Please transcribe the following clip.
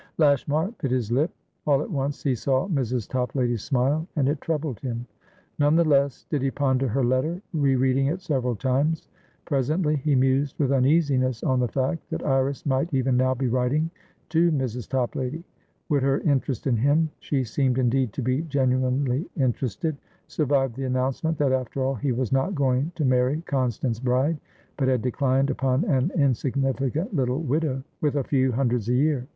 Lashmar bit his lip. All at once he saw Mrs. Toplady's smile, and it troubled him. None the less did he ponder her letter, re reading it several times. Presently he mused with uneasiness on the fact that Iris might even now be writing to Mrs. Toplady. Would her interest in himshe seemed indeed to be genuinely interestedsurvive the announcement that, after all, he was not going to marry Constance Bride, but had declined upon an insignificant little widow with a few hundreds a year?